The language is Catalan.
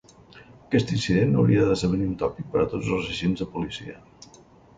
Aquest incident no hauria de esdevenir un tòpic per a tots els agents de policia.